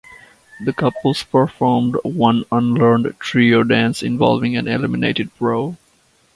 The couples performed one unlearned trio dance involving an eliminated pro.